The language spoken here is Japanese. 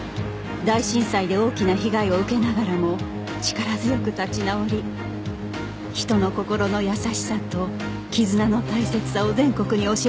大震災で大きな被害を受けながらも力強く立ち直り人の心の優しさと絆の大切さを全国に教えてくれた町